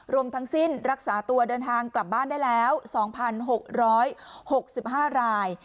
รวมทั้งสิ้นรักษาตัวเดินทางกลับบ้านได้แล้ว๒๖๖๕ราย